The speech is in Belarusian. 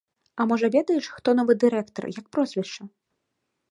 А можа, ведаеш, хто новы дырэктар, як прозвішча?